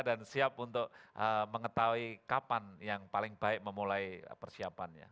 dan siap untuk mengetahui kapan yang paling baik memulai persiapannya